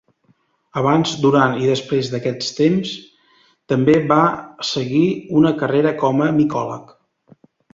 Abans, durant i després d'aquest temps també va seguir una carrera com a micòleg.